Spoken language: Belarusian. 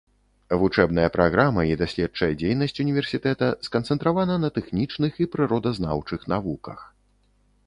Вучэбная праграма і даследчая дзейнасць універсітэта сканцэнтравана на тэхнічных і прыродазнаўчых навуках.